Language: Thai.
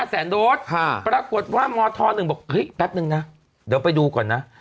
แสนโดสปรากฏว่ามธ๑บอกเฮ้ยแป๊บนึงนะเดี๋ยวไปดูก่อนนะ